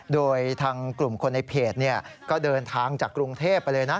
โดยทางกลุ่มคนในเพจก็เดินทางจากกรุงเทพไปเลยนะ